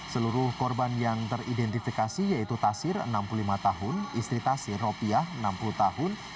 seluruh korban yang teridentifikasi yaitu tasir enam puluh lima tahun istri tasir ropiah enam puluh tahun